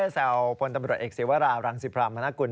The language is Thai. แซวพลตำรวจเอกศิวรารังสิพรามนกุล